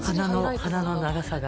鼻の長さが。